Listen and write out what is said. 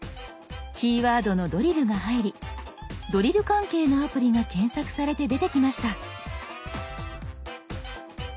キーワードの「ドリル」が入りドリル関係のアプリが検索されて出てきました。